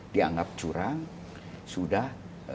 dianggap curang sudah